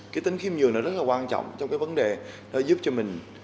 cái tính khiêm nhường đó rất là quan trọng trong cái vấn đề đó giúp cho mình